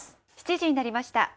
７時になりました。